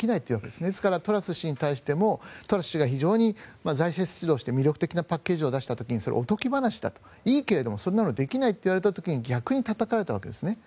ですから、トラス氏に対してもトラス氏は財政出動して魅力的なパッケージを出した時にそれ、おとぎ話だといいけどそんなのできないといった時に逆にたたかれたわけですね。